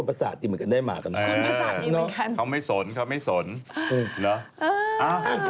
อุปดามมีคนมาเล่าให้ฟัง